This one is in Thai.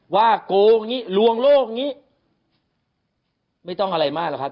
ว่าโกงงี้ลวงโลกงี้ไม่ต้องอะไรมากหรอกครับ